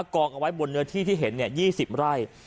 กองเอาไว้บนเนื้อที่ที่เห็น๒๐ไร่